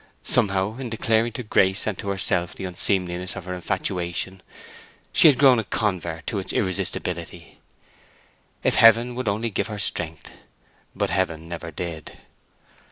Somehow, in declaring to Grace and to herself the unseemliness of her infatuation, she had grown a convert to its irresistibility. If Heaven would only give her strength; but Heaven never did!